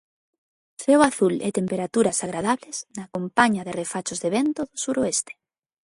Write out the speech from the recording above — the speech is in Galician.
Ceo azul e temperaturas agradables na compaña de refachos de vento do suroeste.